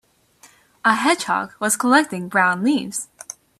A hedgehog was collecting brown leaves.